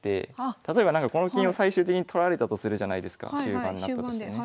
例えばこの金を最終的に取られたとするじゃないですか終盤になったとしてね。